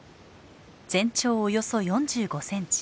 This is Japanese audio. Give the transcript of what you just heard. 全長およそ４５センチ。